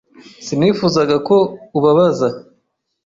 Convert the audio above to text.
Sinifuzaga ko ubabaza.